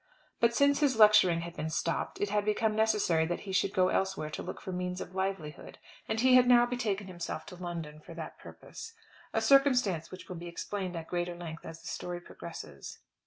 But since his lecturing had been stopped, it had become necessary that he should go elsewhere to look for means of livelihood, and he had now betaken himself to London for that purpose, a circumstance which will be explained at greater length as the story progresses.